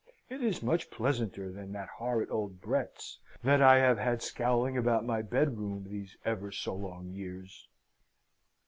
It is much pleasanter than that horrid old Brett's, that I have had scowling about my bedroom these ever so long years."